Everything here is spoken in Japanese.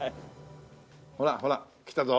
ほらほらきたぞ。